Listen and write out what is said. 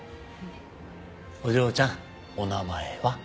お嬢ちゃんお名前は？